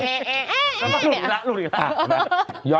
ลูกอีจา